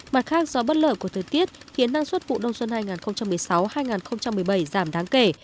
mặt khác do bất lợi của thời tiết khiến năng suất vụ đông xuân hai nghìn một mươi sáu hai nghìn một mươi bảy giảm đáng kể